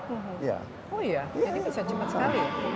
oh iya jadi bisa cepat sekali ya